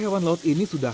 rasa hewan laut ini sujarah